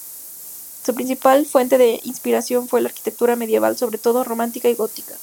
Su principal fuente de inspiración fue la arquitectura medieval, sobre todo románica y gótica.